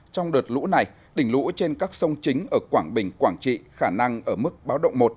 trong đợt lũ này đỉnh lũ trên các sông chính ở quảng bình quảng trị khả năng ở mức báo động một